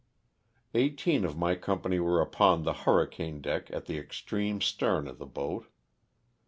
Eighteen of my company were upon the hurricane deck at the extreme stern of the boat.